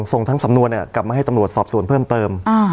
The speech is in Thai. ส่งทั้งสำนวนกลับมาให้ตำรวจสอบส่วนเพิ่มเติม